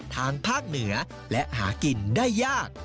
ทางภาคเหนือและหากินได้ยาก